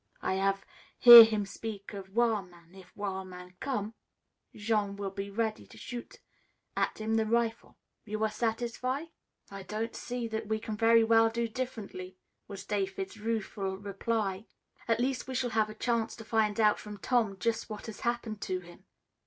I hav' hear him speak of wil' man. If wil' man com', Jean will be ready to shoot at him the rifle. You are satisfy?" "I don't see that we can very well do differently," was David's rueful reply. "At least we shall have a chance to find out from Tom just what has happened to him."